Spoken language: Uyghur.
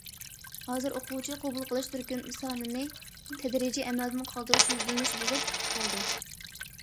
ھازىر، ئوقۇغۇچى قوبۇل قىلىش تۈركۈم سانىنى تەدرىجىي ئەمەلدىن قالدۇرۇش يۈزلىنىش بولۇپ قالدى.